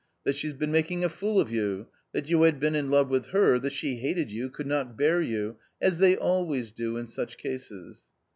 " That she had been making a fool of you, that you had been in love with her, that she hated you, could not bear you — as they always do in such cases."